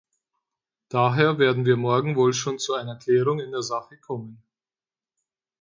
Daher werden wir morgen wohl schon zu einer Klärung in der Sache kommen.